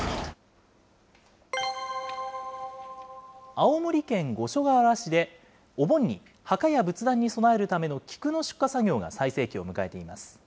青森県五所川原市で、お盆に墓や仏壇に供えるための菊の出荷作業が最盛期を迎えています。